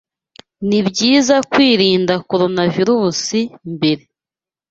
Nibyiza kwirinda Coronavirusi mbere.